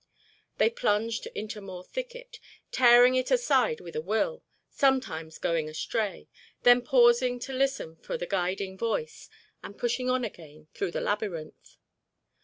They plunged into more thicket, tearing it aside with a will, sometimes going astray, then pausing to listen for the guiding voice, and pushing on again through the labyrinth.